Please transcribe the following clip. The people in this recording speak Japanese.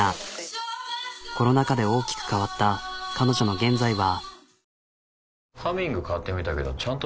コロナ禍で大きく変わった彼女の現在は。